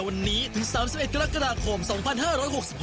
วันนี้ก็จะเป็นวันตัวของ๒๕๖๖